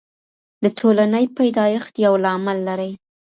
د ټولني پیدایښت یو لامل لري.